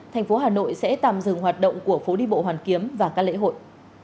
tp hà nội sẽ tạm dừng hoạt động của phố đi bộ hoàn kiếm và các lễ hội